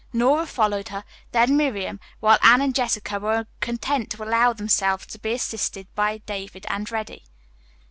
Nora followed her, then Miriam, while Anne and Jessica were content to allow themselves to be assisted by David and Reddy.